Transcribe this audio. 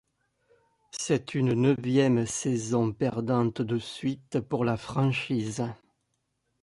C'est une neuvième saison perdante de suite pour la franchise.